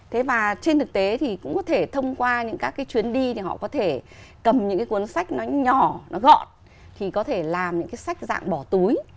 thế và trên thực tế thì cũng có thể thông qua những các cái chuyến đi thì họ có thể cầm những cái cuốn sách nó nhỏ nó gọn thì có thể làm những cái sách dạng bỏ túi